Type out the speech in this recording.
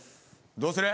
どうする？